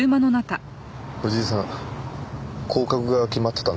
藤井さん降格が決まってたんですってね。